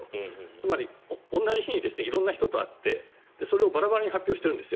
つまり、同じ日に色んな人に会ってそれをバラバラに発表しているんです。